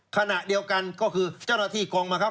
ขณะเดียวกันก็คือเจ้าหน้าที่กองบังคับ